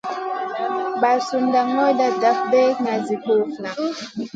Ɓasunda ŋolda daf dregŋa zi kulufna.